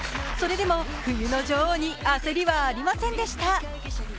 それでも冬の女王に焦りはありませんでした。